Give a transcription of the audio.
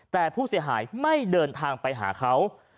แต่ผู้เสียหายไม่เดินทางไปหาเขา